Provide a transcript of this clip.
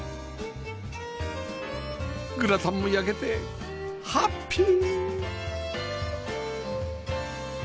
グラタンも焼けてハッピー！